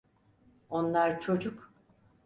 Onlar çocuk.